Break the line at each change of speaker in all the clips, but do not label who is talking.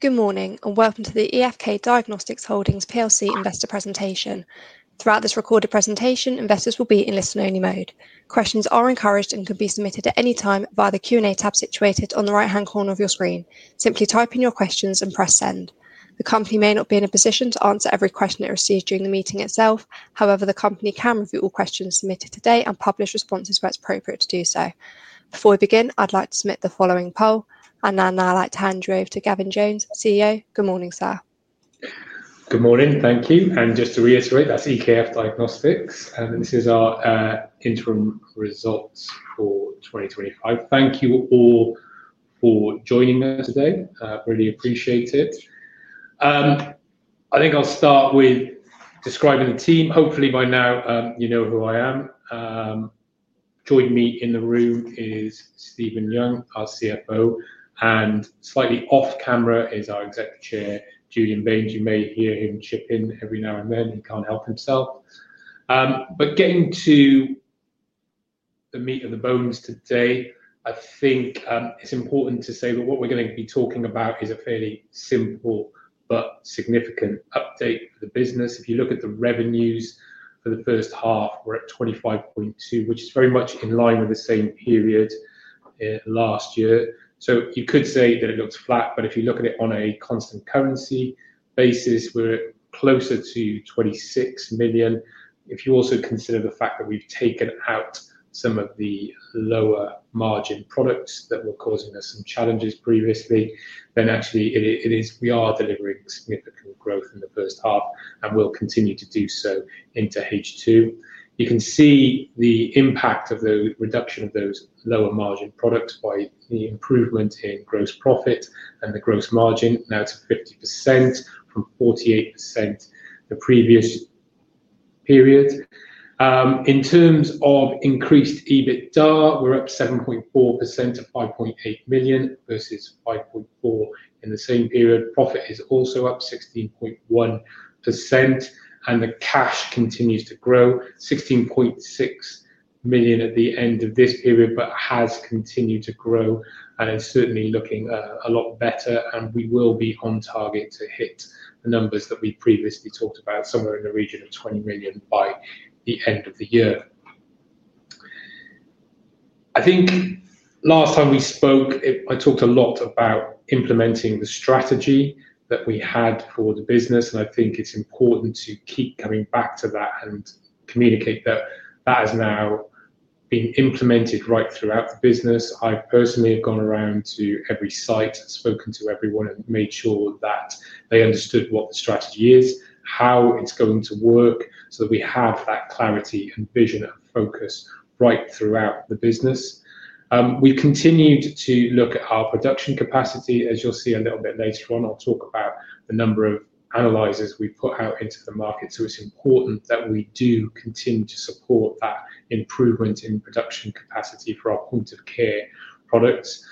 Good morning and welcome to the EKF Diagnostics Holdings plc investor presentation. Throughout this recorded presentation, investors will be in listener-only mode. Questions are encouraged and can be submitted at any time via the Q&A tab situated on the right-hand corner of your screen. Simply type in your questions and press send. The company may not be in a position to answer every question it receives during the meeting itself. However, the company can review all questions submitted today and publish responses when it's appropriate to do so. Before we begin, I'd like to submit the following poll. Now I'd like to hand you over to Gavin Jones, CEO. Good morning, sir.
Good morning. Thank you. Just to reiterate, that's EKF Diagnostics. This is our interim results for 2023. I thank you all for joining us today. Really appreciate it. I think I'll start with describing the team. Hopefully, by now, you know who I am. Joining me in the room is Stephen Young, our CFO. Slightly off camera is our Executive Chair, Julian Baines. You may hear him chip in every now and then. He can't help himself. Getting to the meat of the bones today, I think it's important to say that what we're going to be talking about is a fairly simple but significant update for the business. If you look at the revenues for the first half, we're at $25.2 million, which is very much in line with the same period last year. You could say that it looks flat, but if you look at it on a constant currency basis, we're closer to $26 million. If you also consider the fact that we've taken out some of the lower margin products that were causing us some challenges previously, then actually we are delivering significant growth in the first half and will continue to do so into Q2. You can see the impact of the reduction of those lower margin products by the improvement in gross profit and the gross margin. Now it's 50% from 48% the previous period. In terms of increased EBITDA, we're up 7.4% to $5.8 million versus $5.4 million in the same period. Profit is also up 16.1%. The cash continues to grow, $16.6 million at the end of this period, but has continued to grow. It's certainly looking a lot better. We will be on target to hit the numbers that we previously talked about, somewhere in the region of $20 million by the end of the year. I think last time we spoke, I talked a lot about implementing the strategy that we had for the business. I think it's important to keep coming back to that and communicate that that has now been implemented right throughout the business. I personally have gone around to every site, spoken to everyone, and made sure that they understood what the strategy is, how it's going to work, so that we have that clarity and vision of focus right throughout the business. We continued to look at our production capacity. As you'll see a little bit later on, I'll talk about the number of analyzers we put out into the market. It's important that we do continue to support that improvement in production capacity for our Point-of-Care products.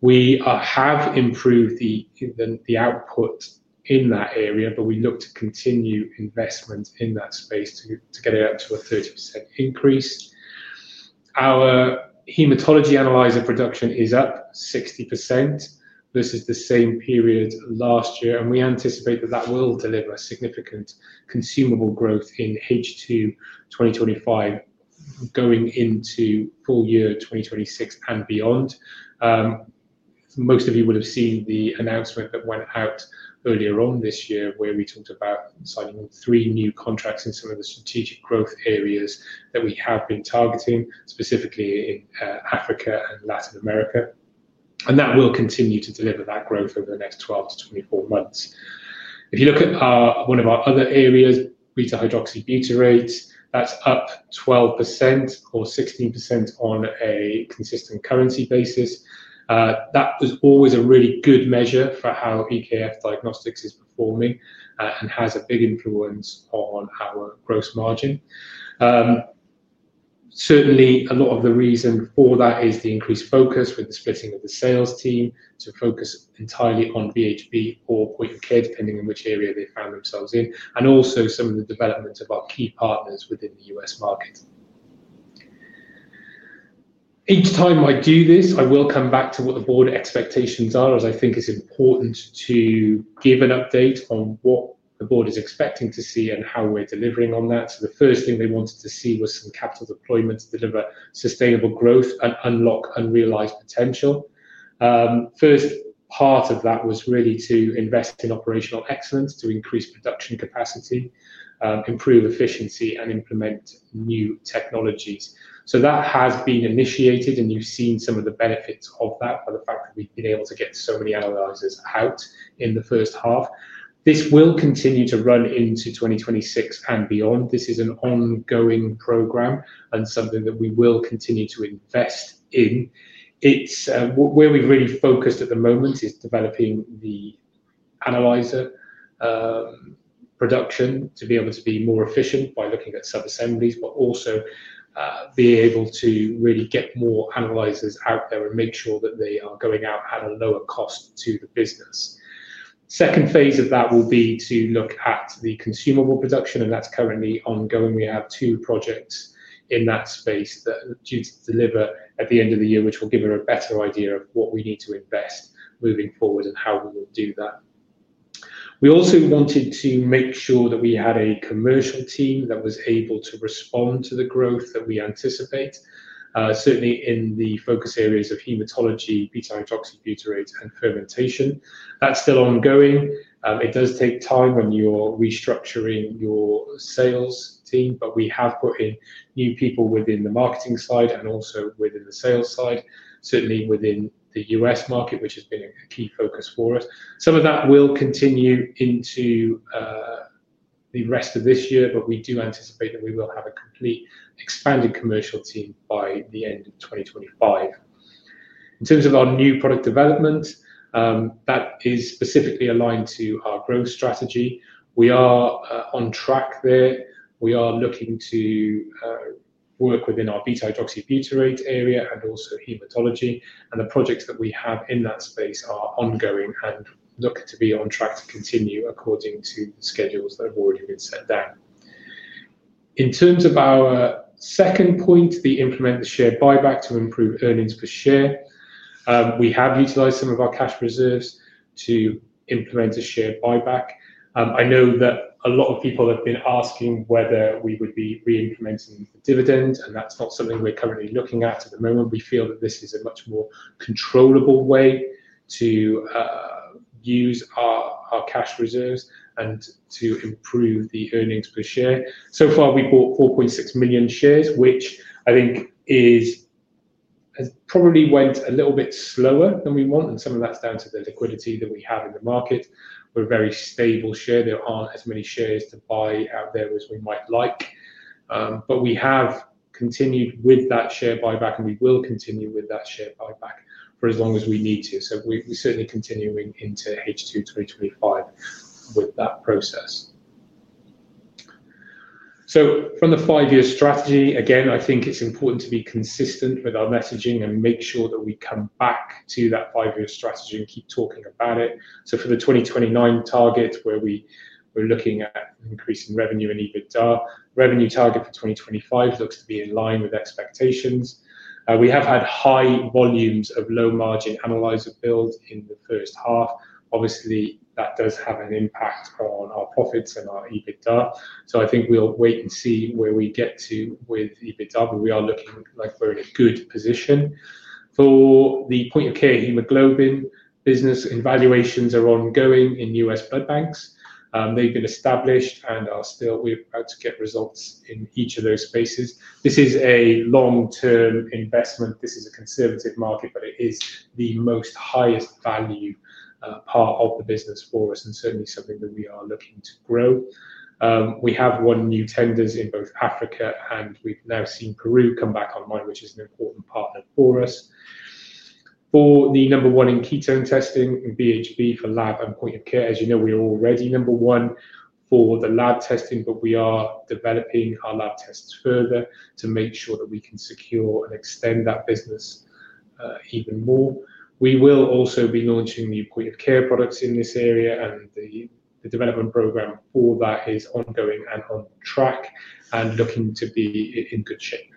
We have improved the output in that area, but we look to continue investments in that space to get it up to a 30% increase. Our hematology analyzer production is up 60%. This is the same period last year. We anticipate that that will deliver significant consumable growth in Q2 2025 going into full year 2026 and beyond. Most of you will have seen the announcement that went out earlier on this year where we talked about signing three new contracts in some of the strategic growth areas that we have been targeting, specifically in Africa and Latin America. That will continue to deliver that growth over the next 12 to 24 months. If you look at one of our other areas, beta-hydroxybutyrate, that's up 12% or 16% on a constant currency basis. That was always a really good measure for how EKF Diagnostics Holdings plc is performing and has a big influence on our gross margin. Certainly, a lot of the reason for that is the increased focus with the splitting of the sales team to focus entirely on beta-hydroxybutyrate or Point-of-Care, depending on which area they found themselves in, and also some of the developments of our key partners within the USA market. Each time I do this, I will come back to what the Board expectations are, as I think it's important to give an update on what the Board is expecting to see and how we're delivering on that. The first thing they wanted to see was some capital deployment to deliver sustainable growth and unlock unrealized potential. The first part of that was really to invest in operational excellence, to increase production capacity, improve efficiency, and implement new technologies. That has been initiated, and you've seen some of the benefits of that by the fact that we've been able to get so many analyzers out in the first half. This will continue to run into 2026 and beyond. This is an ongoing program and something that we will continue to invest in. Where we've really focused at the moment is developing the analyzer production to be able to be more efficient by looking at subassemblies, but also being able to really get more analyzers out there and make sure that they are going out at a lower cost to the business. The second phase of that will be to look at the consumable production, and that's currently ongoing. We have two projects in that space that are due to deliver at the end of the year, which will give you a better idea of what we need to invest moving forward and how we will do that. We also wanted to make sure that we had a commercial team that was able to respond to the growth that we anticipate, certainly in the focus areas of hematology, beta-hydroxybutyrate, and fermentation. That's still ongoing. It does take time when you're restructuring your sales team, but we have put in new people within the marketing side and also within the sales side, certainly within the U.S. market, which has been a key focus for us. Some of that will continue into the rest of this year, but we do anticipate that we will have a complete expanded commercial team by the end of 2025. In terms of our new product development, that is specifically aligned to our growth strategy. We are on track there. We are looking to work within our beta-hydroxybutyrate area and also hematology. The projects that we have in that space are ongoing and look to be on track to continue according to the schedules that have already been set down. In terms of our second point, we implement the share buyback to improve earnings per share. We have utilized some of our cash reserves to implement a share buyback. I know that a lot of people have been asking whether we would be reimplementing dividends, and that's not something we're currently looking at at the moment. We feel that this is a much more controllable way to use our cash reserves and to improve the earnings per share. So far, we've bought 4.6 million shares, which I think has probably went a little bit slower than we want, and some of that's down to the liquidity that we have in the market. We're a very stable share. There aren't as many shares to buy out there as we might like. We have continued with that share buyback, and we will continue with that share buyback for as long as we need to. We're certainly continuing into Q2 2025 with that process. From the five-year strategy, I think it's important to be consistent with our messaging and make sure that we come back to that five-year strategy and keep talking about it. For the 2029 target where we're looking at an increase in revenue and EBITDA, the revenue target for 2025 looks to be in line with expectations. We have had high volumes of low-margin analyzer build in the first half. Obviously, that does have an impact on our profits and our EBITDA. I think we'll wait and see where we get to with EBITDA, but we are looking like we're in a good position. For the Point-of-Care hemoglobin, business evaluations are ongoing in U.S. blood banks. They've been established and are still, we're about to get results in each of those spaces. This is a long-term investment. This is a conservative market, but it is the highest value part of the business for us and certainly something that we are looking to grow. We have won new tenders in both Africa, and we've now seen Peru come back online, which is an important partner for us. For the number one in ketone testing and BHB for lab and point of care, as you know, we are already number one for the lab testing, but we are developing our lab tests further to make sure that we can secure and extend that business even more. We will also be launching new point-of-care products in this area, and the development program for that is ongoing and on track and looking to be in good shape.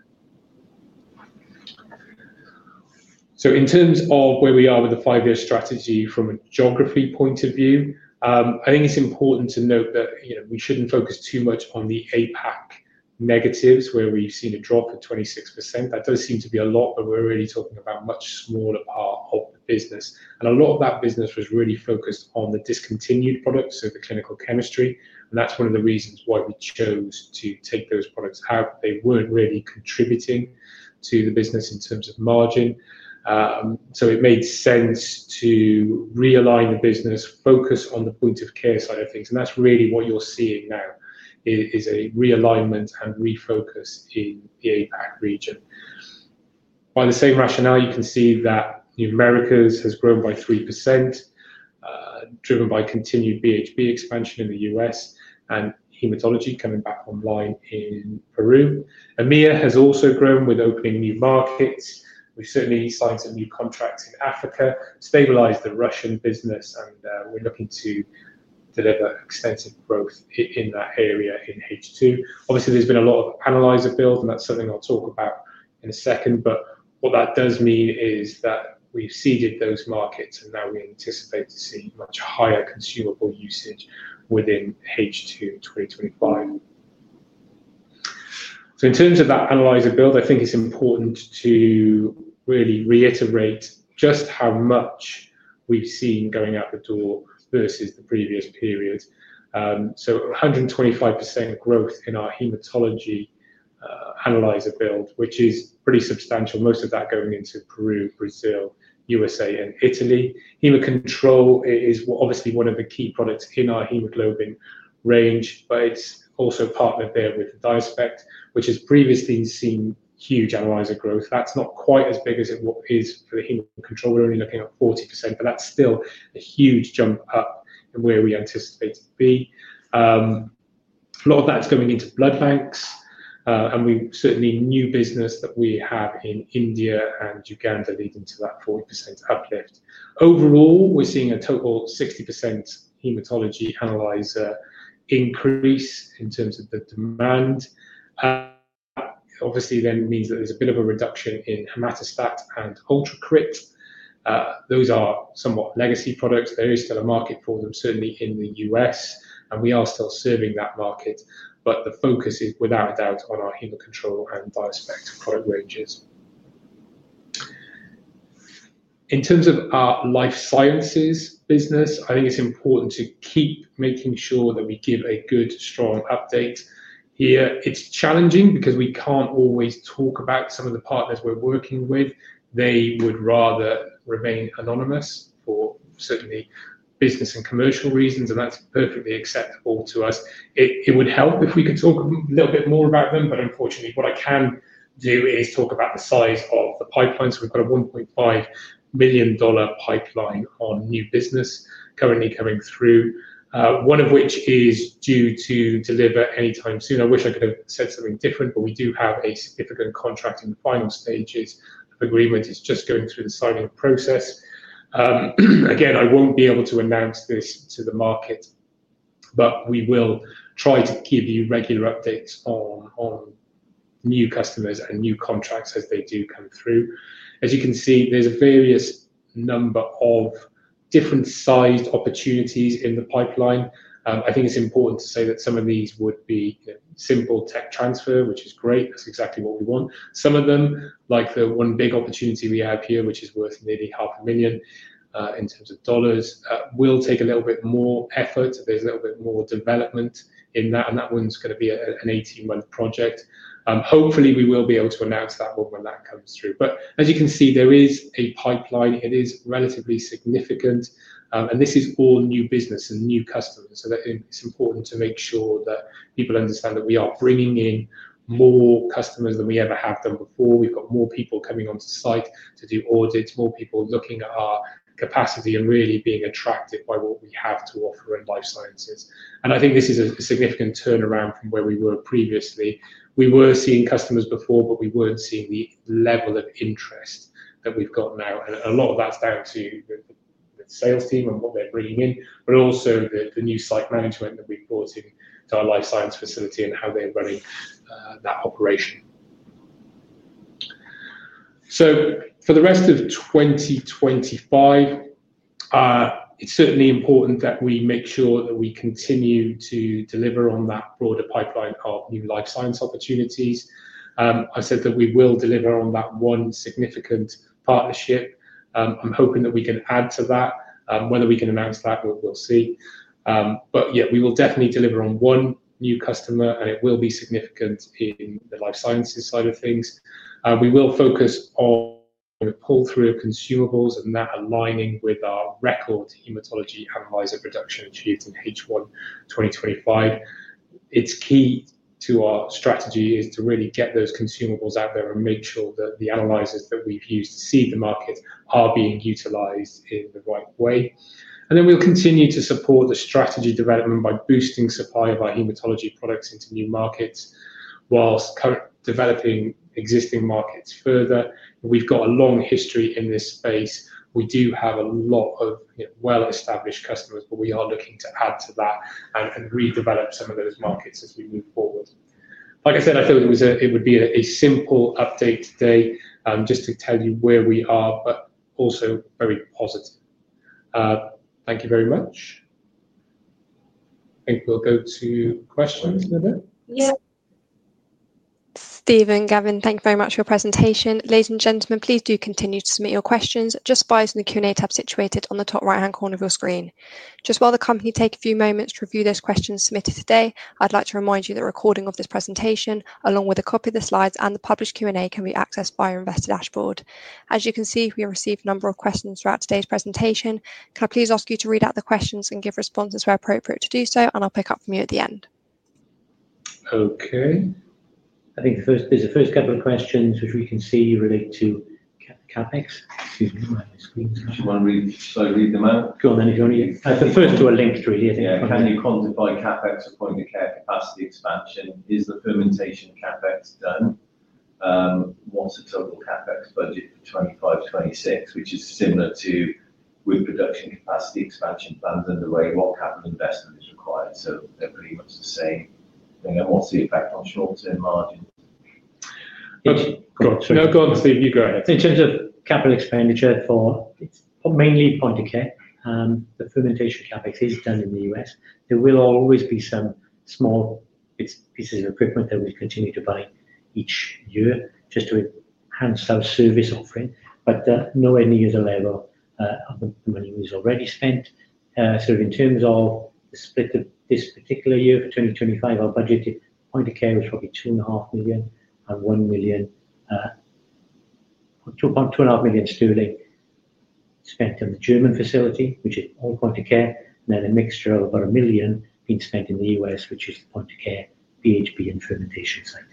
In terms of where we are with the five-year strategy from a geography point of view, I think it's important to note that we shouldn't focus too much on the APAC negatives where we've seen a drop of 26%. That does seem to be a lot, but we're really talking about a much smaller part of the business. A lot of that business was really focused on the discontinued products, so the clinical chemistry. That's one of the reasons why we chose to take those products out. They weren't really contributing to the business in terms of margin. It made sense to realign the business, focus on the point-of-care side of things. That's really what you're seeing now is a realignment and refocus in the APAC region. By the same rationale, you can see that New Americas has grown by 3%, driven by continued BHB expansion in the U.S. and hematology coming back online in Peru. EMEA has also grown with opening new markets. We've certainly signed some new contracts in Africa, stabilized the Russian business, and we're looking to deliver extensive growth in that area in Q2. Obviously, there's been a lot of analyzer build, and that's something I'll talk about in a second. What that does mean is that we've seeded those markets, and now we anticipate to see much higher consumable usage within Q2 2025. In terms of that analyzer build, I think it's important to really reiterate just how much we've seen going out the door versus the previous period. So 125% growth in our hematology analyzer build, which is pretty substantial. Most of that going into Peru, Brazil, U.S.A., and Italy. Hemo Control is obviously one of the key products in our hemoglobin range, but it's also partnered there with DiaSpect Tm, which has previously seen huge analyzer growth. That's not quite as big as it is for the Hemo Control. We're only looking at 40%, but that's still a huge jump up in where we anticipate to be. A lot of that is going into blood banks, and we certainly have new business that we have in India and Uganda leading to that 40% uplift. Overall, we're seeing a total 60% hematology analyzer increase in terms of the demand. Obviously, that means that there's a bit of a reduction in HemataStat II and UltraCrit. Those are somewhat legacy products. There is still a market for them, certainly in the U.S., and we are still serving that market. The focus is without a doubt on our Hemo Control and DiaSpect Tm product ranges. In terms of our Life Sciences business, I think it's important to keep making sure that we give a good, strong update here. It's challenging because we can't always talk about some of the partners we're working with. They would rather remain anonymous for certainly business and commercial reasons, and that's perfectly acceptable to us. It would help if we could talk a little bit more about them, unfortunately, what I can do is talk about the size of the pipelines. We've got a $1.5 million pipeline on new business currently coming through, one of which is due to deliver anytime soon. I wish I could have said something different, but we do have a significant contract in the final stages agreement. It's just going through the signing process. I won't be able to announce this to the market, but we will try to give you regular updates on new customers and new contracts as they do come through. As you can see, there's a various number of different sized opportunities in the pipeline. I think it's important to say that some of these would be simple tech transfer, which is great. That's exactly what we want. Some of them, like the one big opportunity we have here, which is worth nearly half a million in terms of dollars, will take a little bit more effort. There's a little bit more development in that, and that one's going to be an 18-month project. Hopefully, we will be able to announce that when that comes through. As you can see, there is a pipeline. It is relatively significant. This is all new business and new customers. It's important to make sure that people understand that we are bringing in more customers than we ever have done before. We've got more people coming onto site to do audits, more people looking at our capacity, and really being attracted by what we have to offer in Life Sciences. I think this is a significant turnaround from where we were previously. We were seeing customers before, but we weren't seeing the level of interest that we've got now. A lot of that's down to the sales team and what they're bringing in, but also the new site management that we've brought into our Life Sciences facility and how they're running that operation. For the rest of 2025, it's certainly important that we make sure that we continue to deliver on that broader pipeline of new Life Sciences opportunities. I said that we will deliver on that one significant partnership. I'm hoping that we can add to that. When are we going to announce that? We'll see. We will definitely deliver on one new customer, and it will be significant in the Life Sciences side of things. We will focus on the pull-through of consumables and that aligning with our record hematology analyzer production achieved in Q1 2025. It's key to our strategy to really get those consumables out there and make sure that the analyzers that we've used to seed the market are being utilized in the right way. We'll continue to support the strategy development by boosting supply of our hematology products into new markets whilst developing existing markets further. We've got a long history in this space. We do have a lot of well-established customers, but we are looking to add to that and redevelop some of those markets as we move forward. Like I said, I thought it would be a simple update today just to tell you where we are, but also very positive. Thank you very much. I think we'll go to questions in a bit.
Yeah. Stephen, Gavin, thank you very much for your presentation. Ladies and gentlemen, please do continue to submit your questions just by using the Q&A tab situated on the top right-hand corner of your screen. While the company takes a few moments to review those questions submitted today, I'd like to remind you that the recording of this presentation, along with a copy of the slides and the published Q&A, can be accessed via Investor Dashboard. As you can see, we have received a number of questions throughout today's presentation. Can I please ask you to read out the questions and give responses where appropriate to do so, and I'll pick up from you at the end?
Okay. I think the first couple of questions, which we can see, relate to CAPEX. Let's see if you want to read them. Just slowly read them out. Go on, Annie. Go on, Annie.
The first two are linked through here.
Yeah.
The company quantifies CAPEX to Point-of-Care capacity expansion. Is the fermentation CAPEX done? What's the total CAPEX budget for 2025 to 2026, which is similar to reproduction capacity expansion plans, and what kind of investment is required? I don't know what he wants to say. We'll see if that helps.
Good. Good.
So.
No, go on, Stephen. You go ahead.
In terms of capital expenditure for mainly Point-of-Care, the fermentation CAPEX is done in the U.S. There will always be some small pieces of equipment that we continue to buy each year just to enhance our service offering, but nowhere near the level of the money we've already spent. In terms of the split of this particular year for 2025, our budgeted Point-of-Care is probably $2.5 million and $1 million. $2.5 million is spent on the German facility, which is all Point-of-Care, and then a mixture of about $1 million being spent in the U.S., which is the Point-of-Care, beta-hydroxybutyrate (BHB), and fermentation site.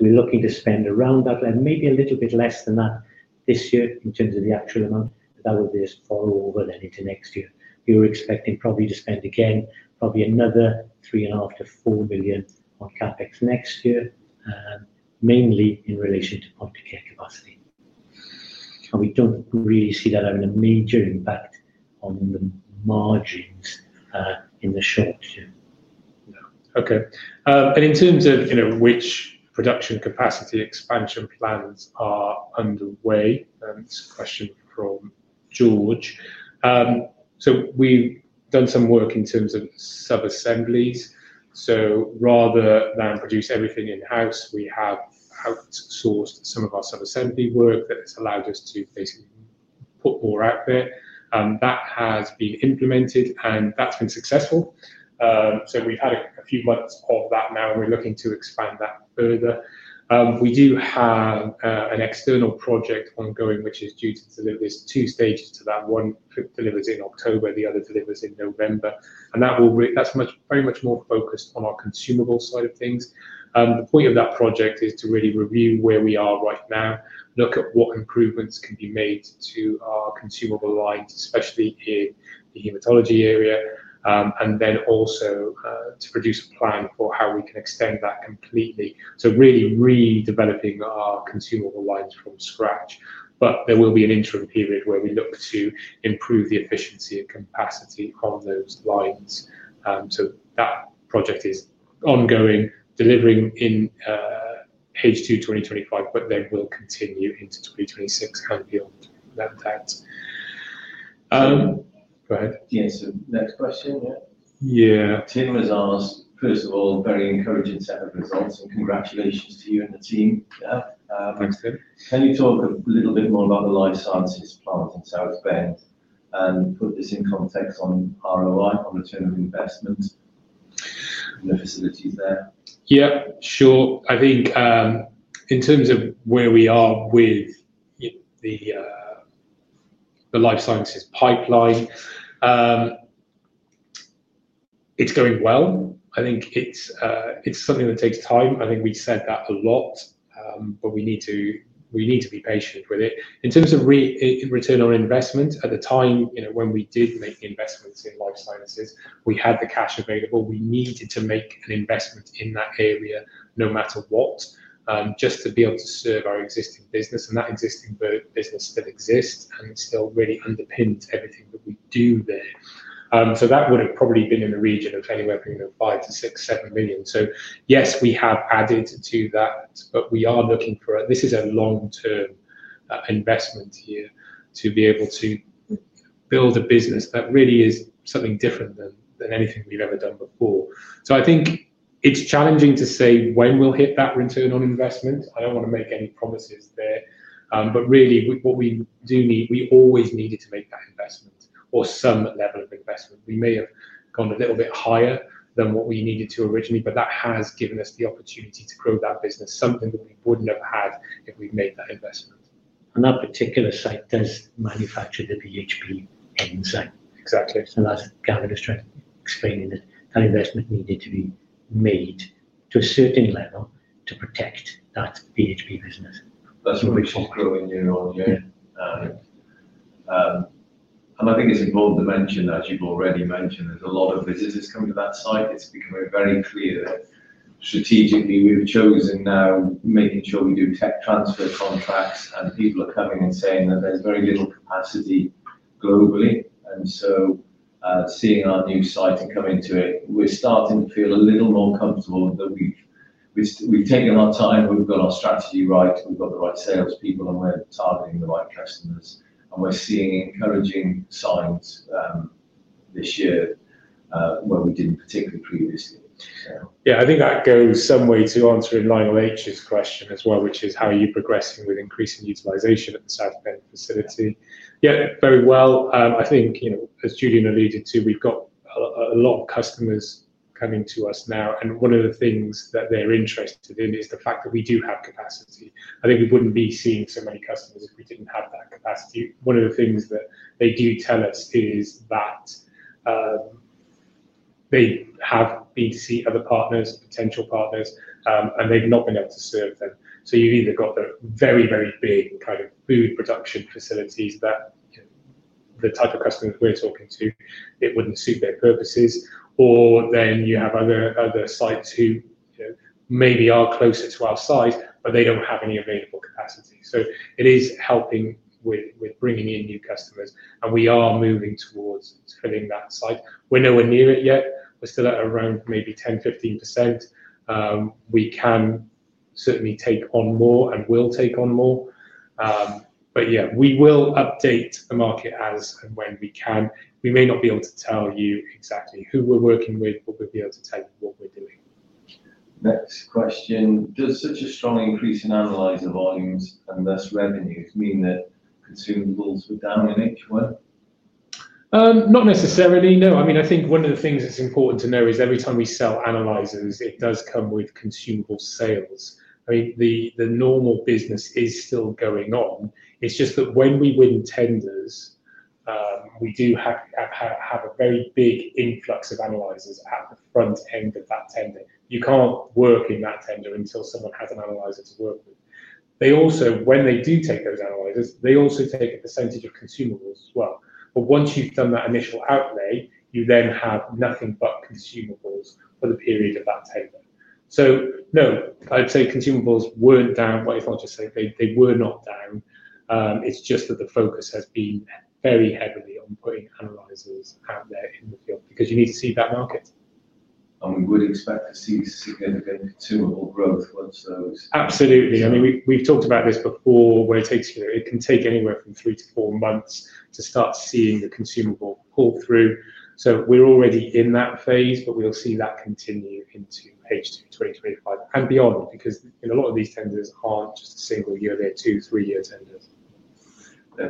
We're looking to spend around that and maybe a little bit less than that this year in terms of the actual amount. That will be us all over then into next year. We were expecting probably to spend again probably another $3.5 to $4 million on CAPEX next year, mainly in relation to Point-of-Care capacity. We don't really see that having a major impact on the margins in the short term.
Okay. In terms of which production capacity expansion plans are underway, this is a question from George. We've done some work in terms of subassemblies. Rather than produce everything in-house, we have outsourced some of our subassembly work that's allowed us to basically put more out there. That has been implemented, and that's been successful. We've had a few months of that now, and we're looking to expand that further. We do have an external project ongoing, which is due to deliver this. There are two stages to that. One delivers in October, the other delivers in November. That is very much more focused on our consumable side of things. The point of that project is to really review where we are right now, look at what improvements can be made to our consumable lines, especially in the hematology area, and then also to produce a plan for how we can extend that completely. Really redeveloping our consumable lines from scratch. There will be an interim period where we look to improve the efficiency and capacity on those lines. That project is ongoing, delivering in Q2 2025, but then will continue into 2026 and beyond. That's that. Go ahead.
Yeah, next question, yeah?
Tim has asked, first of all, very encouraging set of results. Congratulations to you and the team.
Yeah, thanks, Tim.
Can you talk a little bit more about the Life Sciences part of the sales spend and put this in context on ROI, on return on investment, and the facilities there?
Yeah. Sure. I think in terms of where we are with the Life Sciences pipeline, it's going well. I think it's something that takes time. I think we've said that a lot, but we need to be patient with it. In terms of return on investment, at the time when we did make the investments in Life Sciences, we had the cash available. We needed to make an investment in that area no matter what, just to be able to serve our existing business and that existing business that exists and still really underpin everything that we do there. That would have probably been in the region of anywhere between $5 million to $6 million, $7 million. Yes, we have added to that, but we are looking for a—this is a long-term investment here to be able to build a business that really is something different than anything we've ever done before. I think it's challenging to say when we'll hit that return on investment. I don't want to make any promises there. What we do need, we always needed to make that investment or some level of investment. We may have gone a little bit higher than what we needed to originally, but that has given us the opportunity to grow that business, something that we wouldn't have had if we'd made that investment.
That particular site does manufacture the beta-hydroxybutyrate (BHB) enzyme.
Exactly.
That's kind of the strength of bringing in an investment needed to be made to a certain level to protect that BHB business.
That's really thoughtful of a new role, yeah. I think it's important to mention that you've already mentioned that a lot of this has just come to that site. It's become very clear that strategically we've chosen now making sure we do tech transfers from facts, and people are coming and saying that there's very little capacity globally. Seeing our new site and coming to it, we're starting to feel a little more comfortable that we've taken our time, and we've got our strategy right. We've got the right salespeople, and we're targeting the right customers. We're seeing encouraging signs this year where we didn't particularly previously.
Yeah. I think that goes some way to answer in line on H's question as well, which is how are you progressing with increasing utilization at the Southbank facility? Yeah, very well. I think, you know, as Julian alluded to, we've got a lot of customers coming to us now. One of the things that they're interested in is the fact that we do have capacity. I think we wouldn't be seeing so many customers if we didn't have that capacity. One of the things that they do tell us is that they have other partners, potential partners, and they've not been able to serve them. You've either got the very, very big kind of food production facilities that the type of customers we're talking to, it wouldn't suit their purposes. You have other sites who, you know, maybe are closer to our size, but they don't have any available capacity. It is helping with bringing in new customers. We are moving towards filling that site. We're nowhere near it yet. We're still at around maybe 10%, 15%. We can certainly take on more and will take on more. We will update the market as and when we can. We may not be able to tell you exactly who we're working with, but we'll be able to tell you what we're doing.
Next question. Does such a strong increase in analyzer volumes and less revenues mean that consumables?
Not necessarily, no. I mean, I think one of the things that's important to know is every time we sell analyzers, it does come with consumable sales. I mean, the normal business is still going on. It's just that when we win tenders, we do have a very big influx of analyzers at the front end of that tender. You can't work in that tender until someone has an analyzer to work with. They also, when they do take those analyzers, they also take a percentage of consumables as well. Once you've done that initial outlay, you then have nothing but consumables for the period of that tender. No, I'd say consumables weren't down. I'll just say they were not down. It's just that the focus has been very heavily on putting analyzers out there in the field because you need to see that market.
We would expect to see consumable growth, so.
Absolutely. I mean, we've talked about this before where it takes you, it can take anywhere from three to four months to start seeing the consumable pull through. We're already in that phase, but we'll see that continue into Q2 2025 and beyond because a lot of these tenders aren't just a single-year or two- to three-year tenders.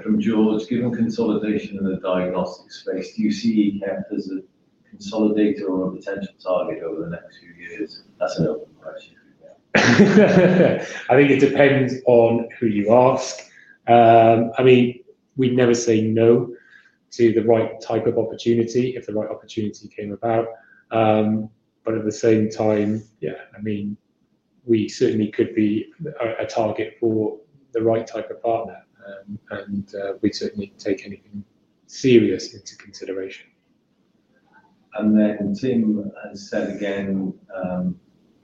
From George, given consolidation in the diagnostics space, do you see as a consolidator or a potential target over the next few years?
I think it depends on who you asked. We'd never say no to the right type of opportunity if the right opportunity came about. At the same time, we certainly could be a target for the right type of partner. We'd certainly take anything serious into consideration.
Tim, as I said again,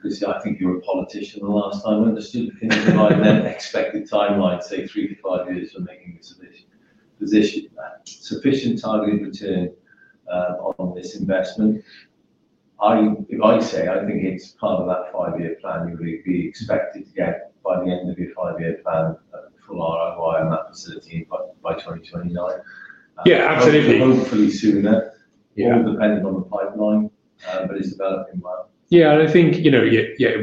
Christy, I think you were a politician the last time I went to speak to him. If I had an expected time, I'd say three to five years from making it to this position. Sufficient targeted to offer on this investment. If I say, I don't think it's part of that five-year plan. You'll be expected to get by the end of your five-year plan a full ROI in that facility by 2029.
Yeah, absolutely.
Hopefully sooner.
It all depended on the pipeline, but it's developing.
I think, you know,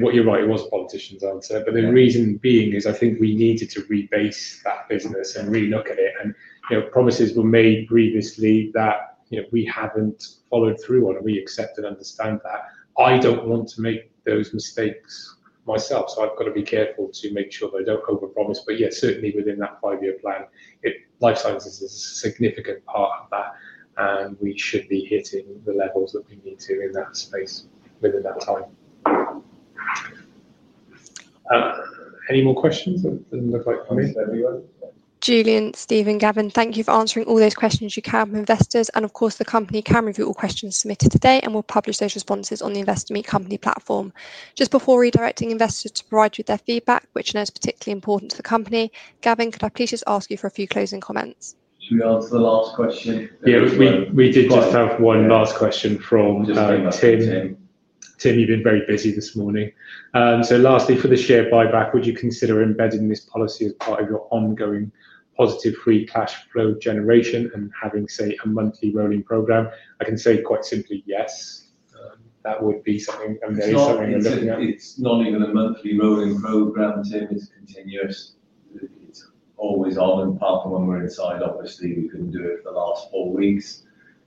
what you're right, it was politicians, I would say. The reason being is I think we needed to rebase that business and really look at it. Promises were made previously that we haven't followed through on, and we accept and understand that. I don't want to make those mistakes myself. I've got to be careful to make sure that I don't overpromise. Certainly within that five-year plan, Life Sciences is a significant part of that, and we should be hitting the levels that we need to in that space within that time. Any more questions?
Julian, Stephen, Gavin, thank you for answering all those questions you can have of investors. Of course, the company can review all questions submitted today, and we'll publish those responses on the Investor Meet Company platform. Just before redirecting investors to provide you with their feedback, which I know is particularly important to the company, Gavin, could I please just ask you for a few closing comments?
To answer the last question.
Yeah, it was me. We do want to have one last question from Gavin and Tim. Tim, you've been very busy this morning. Lastly, for the share buyback, would you consider embedding this policy as part of your ongoing positive free cash flow generation and having, say, a monthly rolling program? I can say quite simply, yes. That would be something I'm very certain of.
It's not even a monthly rolling program until it's continued. It's always on, apart from when we're inside. Obviously, we couldn't do it for the last four weeks.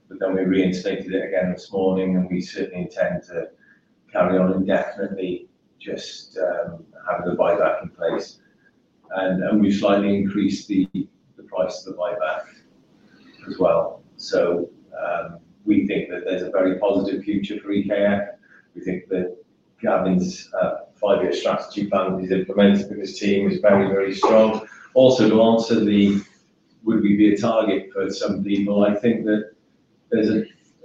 We reinstated it again this morning, and we certainly intend to carry on and definitely just have the buyback in place. We've slightly increased the price of the buyback as well. We think that there's a very positive future for EKF Diagnostics Holdings plc. We think that Gavin's five-year strategy plan will be implemented because the team is very, very strong. To answer the would we be a target for somebody, I think that there's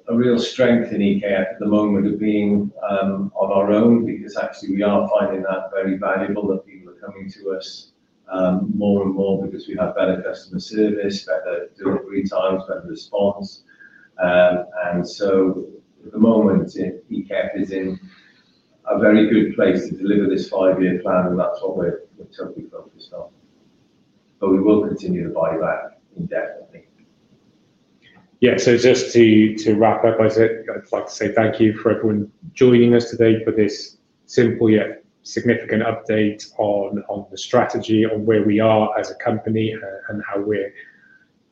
a real strength in EKF Diagnostics Holdings plc at the moment of being of our own because actually, we are finding that very valuable that people are coming to us more and more because we have better customer service, better delivery times, better response. At the moment, EKF Diagnostics Holdings plc is in a very good place to deliver this five-year plan, and that's what we're totally focused on. We will continue to buy that, definitely.
Yeah, just to wrap up, I'd like to say thank you for everyone joining us today for this simple yet significant update on the strategy, on where we are as a company, and how we're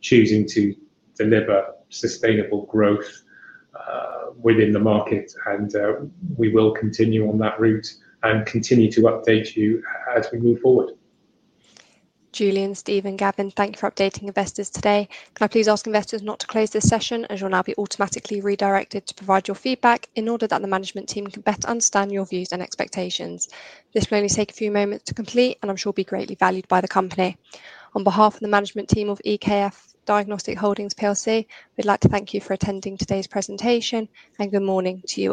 choosing to deliver sustainable growth within the market. We will continue on that route and continue to update you as we move forward.
Julian, Stephen, Gavin, thank you for updating investors today. Now, please ask investors not to close this session as you'll now be automatically redirected to provide your feedback in order that the management team can better understand your views and expectations. This will only take a few moments to complete, and I'm sure it will be greatly valued by the company. On behalf of the management team of EKF Diagnostics Holdings plc, we'd like to thank you for attending today's presentation and good morning to you.